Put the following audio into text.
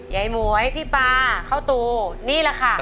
ยายมวยพี่ป้าเข้าตูนี่แหละค่ะ